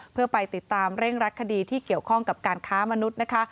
เพื่อไปติดตามเร่งรักคดีที่เกี่ยวข้องกับการค้ามนุษย์นะคะ